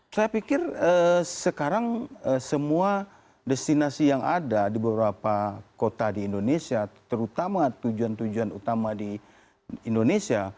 saya pikir sekarang semua destinasi yang ada di beberapa kota di indonesia terutama tujuan tujuan utama di indonesia